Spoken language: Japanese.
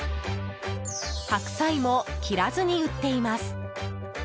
白菜も切らずに売っています。